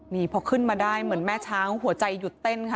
นี่พอขึ้นมาได้เหมือนแม่ช้างหัวใจหยุดเต้นค่ะ